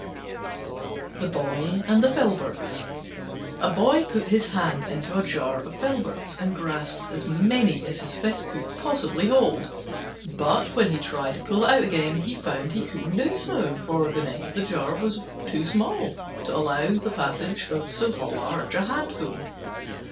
THE BOY AND THE FILBERTS A Boy put his hand into a jar of Filberts, and grasped as many as his fist could possibly hold. But when he tried to pull it out again, he found he couldn't do so, for the neck of the jar was too small to allow of the passage of so large a handful.